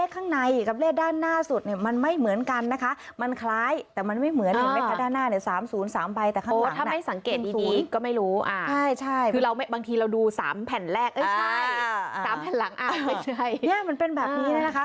ก็ไม่รู้อ่ะคือบางทีเราดูสามแผ่นแรกอุ๊ยใช่มันเป็นแบบนี้นะคะ